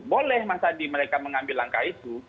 boleh mas adi mereka mengambil langkah itu